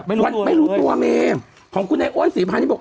ไม่รู้ตัวไม่รู้ตัวไม่รู้ตัวเมมของคุณไอ้โอ้นศรีภายนี้บอก